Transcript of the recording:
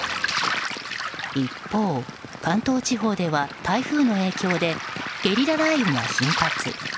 一方、関東地方では台風の影響でゲリラ雷雨が頻発。